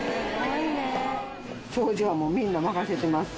掃除はもうみんな任せてます。